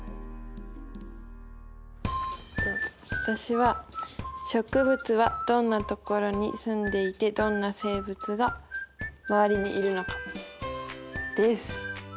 私は「植物はどんなところに住んでいてどんな生物がまわりにいるのか」です。